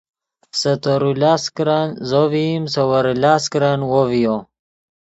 سے تورو لاست کرن زو ڤئیم سے ویرے لاست کرن وو ڤیو